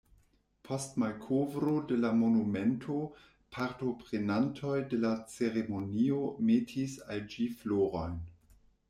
Post malkovro de la monumento partoprenantoj de la ceremonio metis al ĝi florojn.